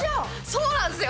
そうなんですよ。